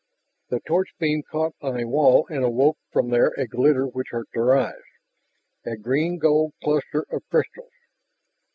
The torch beam caught on a wall and awoke from there a glitter which hurt their eyes a green gold cluster of crystals.